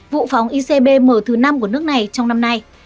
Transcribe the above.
vụ phóng icbm thứ năm của nước này trong năm nay